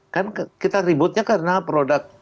kan kita ributnya karena produk